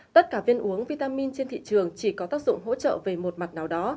tất cả viên uống vitamin trên thị trường chỉ có tác dụng hỗ trợ về một mặt nào đó